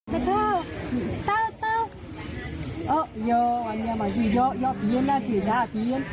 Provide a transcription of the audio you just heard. คลอพี่จู๊หนูเวิบบอกว่ามั้งกองมันเติ่ลเย็นมันจุดบ่ายทุกวัน